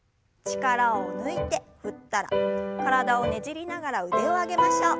力を抜いて振ったら体をねじりながら腕を上げましょう。